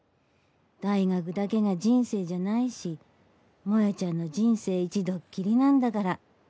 大学だけが人生じゃないし、萌ちゃんの人生一度きりなんだから！